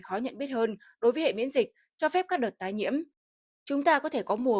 khó nhận biết hơn đối với hệ miễn dịch cho phép các đợt tái nhiễm chúng ta có thể có mùa